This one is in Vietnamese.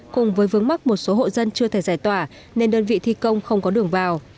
cùng với vướng mắc một số hộ dân chưa thể giải tỏa nên đơn vị thi công không có đường vào